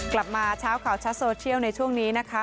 กลับมาเช้าข่าวชัดโซเชียลในช่วงนี้นะคะ